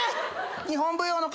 日本舞踊の方？